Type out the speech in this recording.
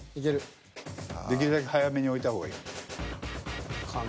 できるだけ早めに置いた方がいいよ。